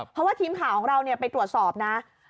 เพราะว่าทีมข่าวของเราไปตรวจสอบนะ